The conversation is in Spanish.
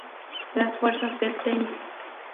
Las fuerzas del Ten.